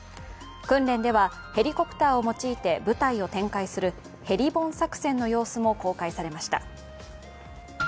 訓練ではヘリコプターを用いて部隊を展開するヘリボン作戦の様子も公開されました。